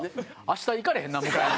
明日行かれへんな迎えに。